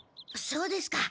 そうですか。